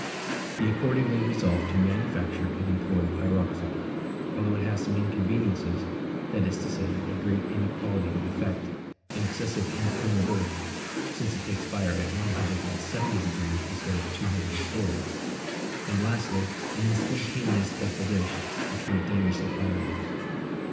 He accordingly resolved to manufacture and employ pyroxyle, although it has some inconveniences, that is to say, a great inequality of effect, an excessive inflammability, since it takes fire at one hundred and seventy degrees instead of two hundred and forty, and lastly, an instantaneous deflagration which might damage the firearms.